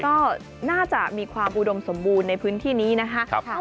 ก็น่าจะมีความอุดมสมบูรณ์ในพื้นที่นี้นะคะ